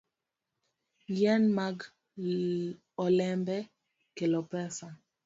Yien mag olembe kelo pesa.